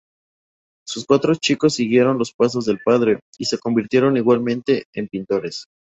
Sus cuatro chicos siguieron los pasos del padre y se convirtieron igualmente en pintores.